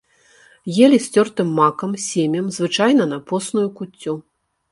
Елі з цёртым макам, семем, звычайна на посную куццю.